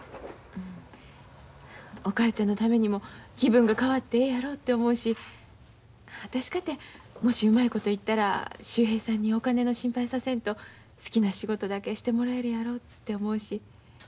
お母ちゃんのためにも気分が変わってええやろて思うし私かてもしうまいこといったら秀平さんにお金の心配させんと好きな仕事だけしてもらえるやろて思うし。